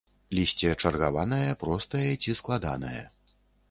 Лісце чаргаванае, простае ці складанае.